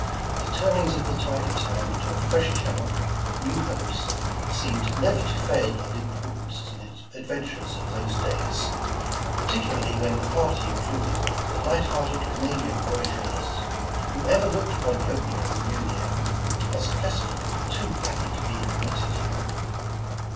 The turnings of the tide of time into a fresh chan nel with new hopes, seemed never to fail of importance to the adventurers of those days, particularly when the party included the light hearted Canadian voyageurs, who ever looked upon the opening of the New Year as a festival too happy to be omitted.